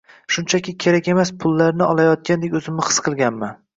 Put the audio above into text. shunchaki kerak emas pullarni olayotgandek o‘zimni his qilganman.